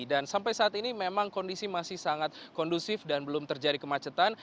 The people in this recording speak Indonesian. dan sampai saat ini memang kondisi masih sangat kondusif dan belum terjadi kemacetan